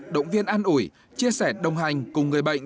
động viên an ủi chia sẻ đồng hành cùng người bệnh